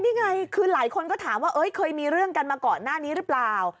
นี่ไงคือหลายคนก็ถามว่าเคยมีเรื่องกันมาก่อนหน้านี้หรือเปล่า